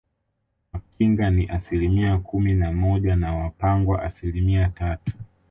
Wakinga ni asilimia kumi na moja na Wapangwa asilimia tatu